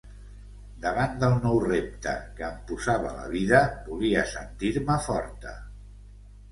Davant del nou repte que em posava la vida, volia sentir-me forta.